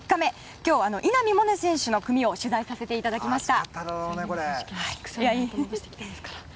今日、稲見萌寧選手の組を取材させていただきました。